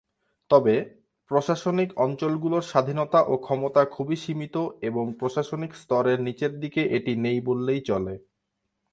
তবে, প্রশাসনিক অঞ্চলগুলোর স্বাধীনতা ও ক্ষমতা খুবই সীমিত এবং প্রশাসনিক স্তরের নিচের দিকে এটি নেই বললেই চলে।